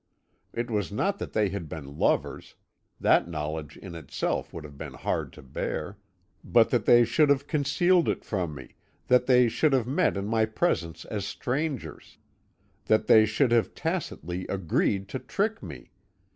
It was not that they had been lovers that knowledge in itself would have been hard to bear but that they should have concealed it from me, that they should have met in my presence as strangers, that they should have tacitly agreed to trick me!